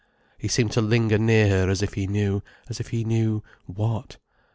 He seemed to linger near her as if he knew—as if he knew—what?